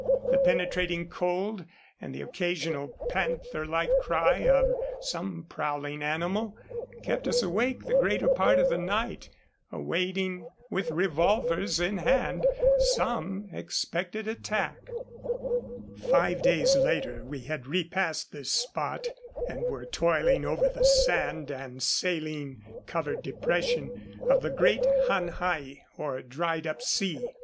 The penetrating cold, and the occasional panther like cry of some prowling animal, kept us awake the greater part of the night, awaiting with revolvers in hand some expected attack. THE HEAD OF A BRIGAND EXPOSED ON THE HIGHWAY. 145 Five days later we had repassed this spot and were toiling over the sand and saline covered depression of the great "Han Hai," or Dried up Sea.